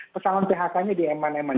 persamaan phk nya di eman eman